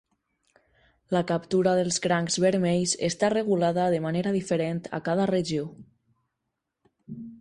La captura dels crancs vermells està regulada de manera diferent a cada regió.